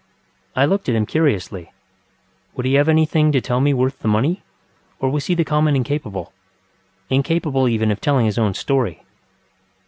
I looked at him curiously. Would he have anything to tell me worth the money, or was he the common incapableŌĆöincapable even of telling his own story?